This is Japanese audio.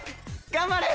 頑張れ！